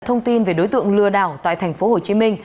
thông tin về đối tượng lừa đảo tại tp hcm